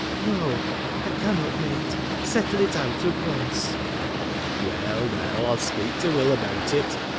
' No ; I cannot wait, settle it out at once.' ' Well, well ; I '11 speak to Will about it.